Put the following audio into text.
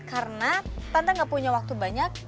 karena tante gak punya waktu banyak